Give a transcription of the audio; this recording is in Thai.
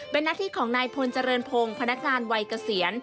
เป็นหน้าที่ของนายพลเจริญพงศ์พนักงานวัยเกษียณ